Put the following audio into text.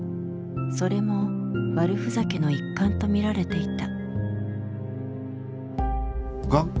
それも悪ふざけの一環と見られていた。